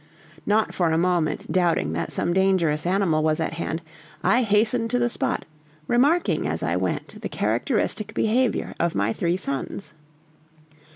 Not for a moment doubting that some dangerous animal was at hand, I hastened to the spot, remarking as I went the characteristic behavior of my three sons.